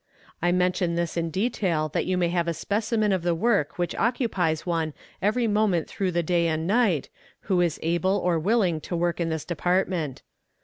I mention this in detail, that you may have a specimen of the work which occupies one every moment through the day and night, who is able or willing to work in this department.